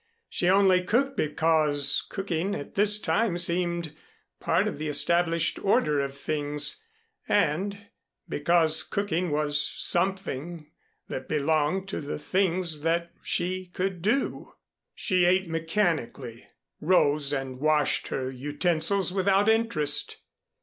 She only cooked because cooking at this time seemed part of the established order of things and because cooking was something that belonged to the things that she could do. She ate mechanically, rose and washed her utensils without interest.